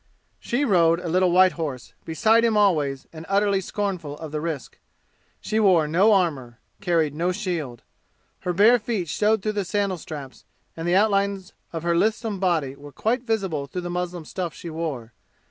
She rode a little white horse, beside him always and utterly scornful of the risk. She wore no armor carried no shield. Her bare feet showed through the sandal straps, and the outlines of her lissom body were quite visible through the muslin stuff she wore.